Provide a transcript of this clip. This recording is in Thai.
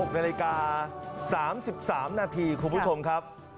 ๖นาฬิกา๓๓นาทีคุณผู้ชมครับ